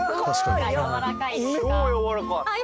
超やわらかいあっ